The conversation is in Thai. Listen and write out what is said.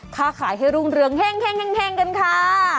ค่าขายให้รุ่งเรืองเฮ่งกันค่ะ